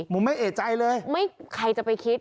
ผมไม่เอกใจเลยไม่ใครจะไปคิด